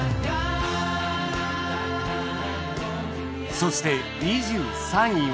そして２３位は